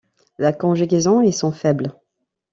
La conjugaison est son faible